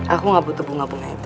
aku gak butuh bunga bunga itu